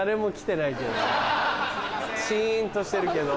シンとしてるけど。